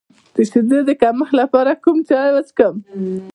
د شیدو د کمښت لپاره کوم چای وڅښم؟